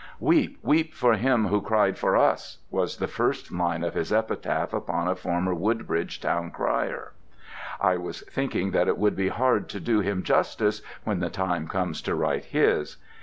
'Weep, weep for him who cried for us,' was the first line of his epitaph upon a former Woodbridge town crier! I was thinking that it would be hard to do him justice when the time comes to write his.